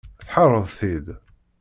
Tḥerreḍ-t-id.